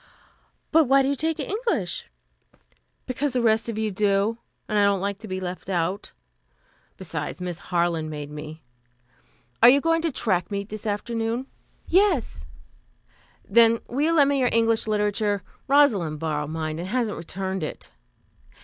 "But why do you take English?" "Because the rest of you do, and I don't like to be left out. Besides, Miss Harland made me. Are you going to track meet this afternoon?" "Yes." "Then, will you lend me your English Literature? Rosalind borrowed mine and hasn't returned it."